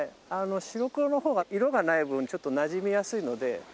白黒のほうが色がない分ちょっとなじみやすいので。